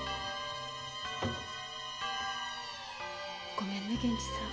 ごめんね源次さん。